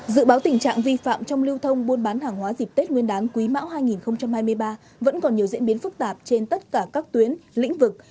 dự báo tình trạng vi phạm trong lưu thông buôn bán hàng hóa dịp tết nguyên đán quý mão hai nghìn hai mươi ba vẫn còn nhiều diễn biến phức tạp trên tất cả các tuyến lĩnh vực